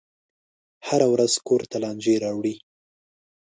هره ورځ کور ته لانجې راوړي.